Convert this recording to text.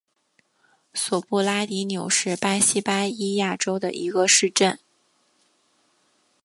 索布拉迪纽是巴西巴伊亚州的一个市镇。